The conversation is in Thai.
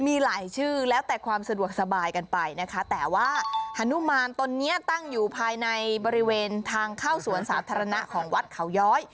มีหลายชื่อแล้วแต่ความสะดวกสบายกันไปนะคะแต่ว่าฮานุมานตนนี้ตั้งอยู่ภายในบริเวณทางเข้าสวนสาธารณะของวัดเขาย้อย